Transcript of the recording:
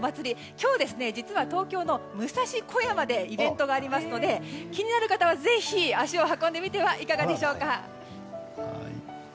今日、実は東京の武蔵小山でイベントがありますので気になる方はぜひ足を運んでみてはいかがでしょうか？